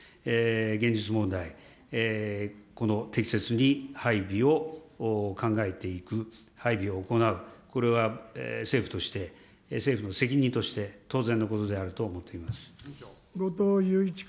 現実問題、この適切に配備を考えていく、配備を行う、これは政府として政府の責任として当然のことであると思っていま後藤祐一君。